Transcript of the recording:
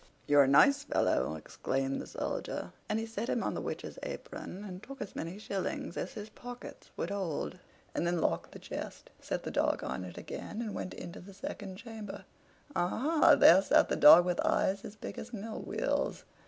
"You're a nice fellow!" exclaimed the Soldier; and he set him on the Witch's apron, and took as many shillings as his pockets would hold, and then locked the chest, set the dog on it again, and went into the second chamber, Aha! there sat the dog with eyes as big as mill wheels.